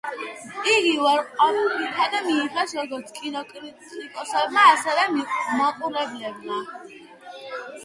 იგი უარყოფითად მიიღეს როგორც კინოკრიტიკოსებმა, ასევე მაყურებლებმა.